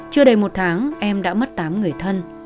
chưa đầy một tháng em đã mất tám người thân